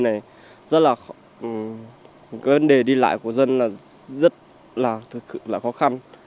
vùng núi này vấn đề đi lại của dân rất là khó khăn